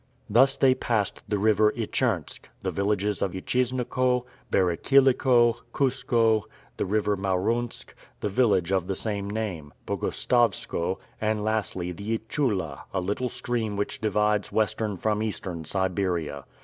Thus they passed the river Ichirnsk, the villages of Ichisnokoe, Berikylokoe, Kuskoe, the river Marunsk, the village of the same name, Bogostowskoe, and, lastly, the Ichoula, a little stream which divides Western from Eastern Siberia.